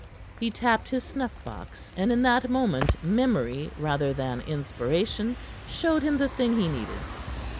He tapped his snuff box, and in that moment memory rather than inspiration showed him the thing he needed.